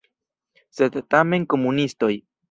Sed tamen komunistoj.